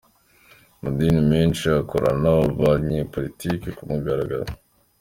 Amadini menshi akorana n’abanyepolitiki ku mugaragaro.